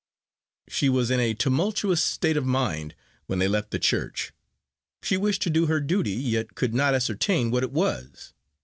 She was in a tumultuous state of mind when they left church; she wished to do her duty, yet could not ascertain what it was.